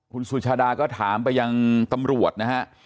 คุณสุชาดาก็ถามไปยังตำรวจนะฮะ